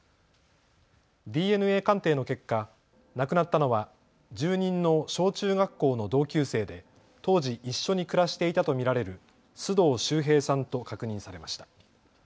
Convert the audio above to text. ＤＮＡ鑑定の結果、亡くなったのは住人の小中学校の同級生で当時、一緒に暮らしていたと見られる須藤秀平さんと確認されました。